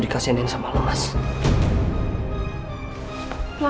tapi kalau aku deh saat keluar saja